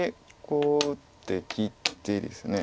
こう打って切ってですね。